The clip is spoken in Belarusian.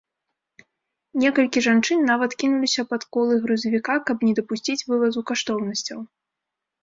Некалькі жанчын нават кінуліся пад колы грузавіка, каб не дапусціць вывазу каштоўнасцяў.